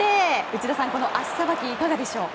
内田さん、この足さばきいかがでしょう。